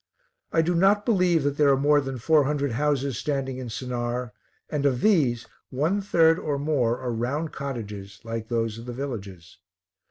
I do not believe that there are more than four hundred houses standing in Sennaar and of these one third or more are round cottages, like those of the villages.